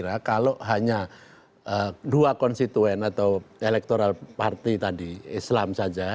tetapi saya kira kalau hanya dua konstituen atau elektoral parti tadi islam saja